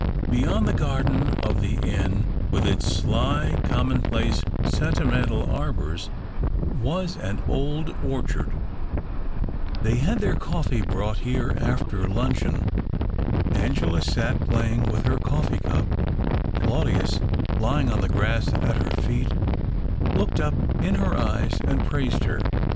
Beyond the garden of the inn, with its sly, commonplace, sentimental arbours, was an old orchard. They had their coffee brought THE OCTAVE OF CLAUDIUS. 265 here after luncheon. Angela sat, playing ^vith her cofFee cup ; Claudius lying on the ^ grass at her feet, looked up in her eyes and praised her.